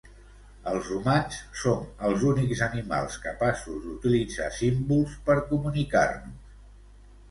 Els humans som els únics animals capaços d'utilitzar símbols per comunicar-nos.